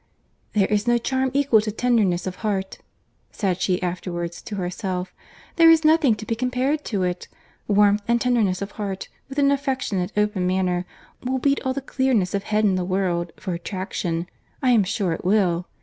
"There is no charm equal to tenderness of heart," said she afterwards to herself. "There is nothing to be compared to it. Warmth and tenderness of heart, with an affectionate, open manner, will beat all the clearness of head in the world, for attraction, I am sure it will.